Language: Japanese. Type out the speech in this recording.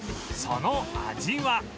その味は